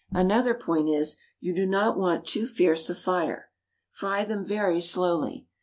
Another point is, you do not want too fierce a fire. Fry them very slowly.